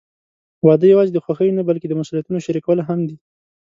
واده یوازې د خوښۍ نه، بلکې د مسوولیتونو شریکول هم دي.